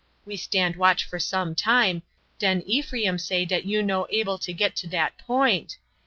We stand watch for some time, den Ephraim say dat you no able to get to dat point.